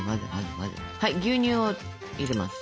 はい牛乳を入れます。